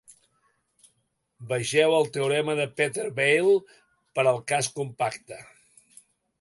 Vegeu el teorema de Peter-Weyl per al cas compacte.